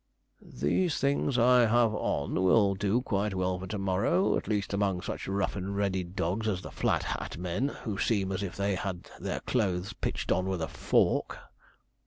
'These things I have on will do quite well for to morrow, at least among such rough and ready dogs as the Flat Hat men, who seem as if they had their clothes pitched on with a fork.'